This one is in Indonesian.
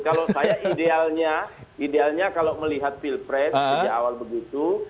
kalau saya idealnya idealnya kalau melihat pilpres sejak awal begitu